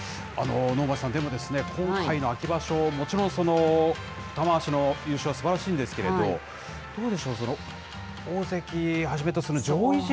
能町さん、でもですね、今回の秋場所、もちろん玉鷲の優勝、すばらしいんですけれど、どうでしょう、大関はじめとする上位陣。